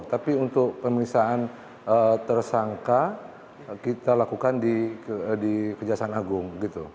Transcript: tapi untuk pemirsaan tersangka kita lakukan di kejaksaan agung